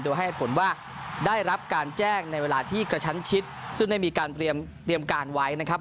โดยให้ผลว่าได้รับการแจ้งในเวลาที่กระชั้นชิดซึ่งได้มีการเตรียมการไว้นะครับ